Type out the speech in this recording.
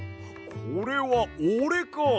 これはおれか！